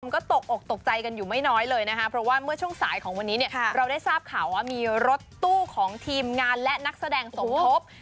ก็ตกอกตกใจกันอยู่ไม่น้อยเลยนะคะเพราะว่าเมื่อช่วงสายของวันนี้เนี่ยเราได้ทราบข่าวว่ามีรถตู้ของทีมงานและนักแสดงสมทบ